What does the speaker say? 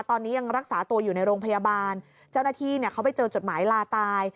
ตอนนี้ยังรักษาตัวอยู่ในโรงพยาบาลเจ้าหน้าที่เขาไปเจอจดหมายลาตาย